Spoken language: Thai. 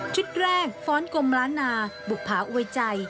ชุดแรกฟ้อนกลมลั้นาบุภาอวยใจ